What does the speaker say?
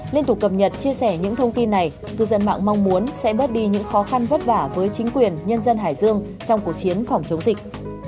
liên tục cập nhật chia sẻ những thông tin này cư dân mạng mong muốn sẽ bớt đi những khó khăn vất vả với chính quyền nhân dân hải dương trong cuộc chiến phòng chống dịch